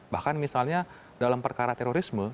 bahkan misalnya dalam perkara terorisme